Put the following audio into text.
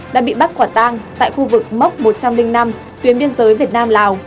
đã bị bắt quả tang tại khu vực mốc một trăm linh năm tuyến biên giới việt nam lào